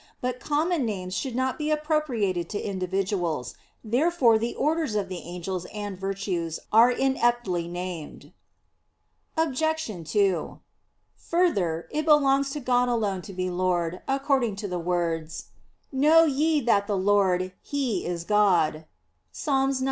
But common names should not be appropriated to individuals. Therefore the orders of the angels and virtues are ineptly named. Obj. 2: Further, it belongs to God alone to be Lord, according to the words, "Know ye that the Lord He is God" (Ps. 99:3).